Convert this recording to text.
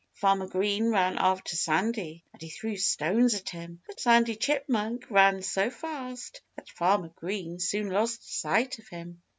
Farmer Green ran after Sandy. And he threw stones at him. But Sandy Chipmunk ran so fast that Farmer Green soon lost sight of him.